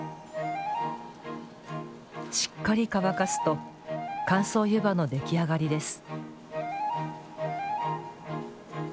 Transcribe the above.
しっかり乾かすと乾燥湯葉の出来上がりです。